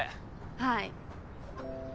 はい。